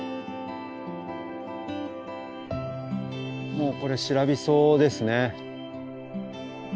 もうこれシラビソですね。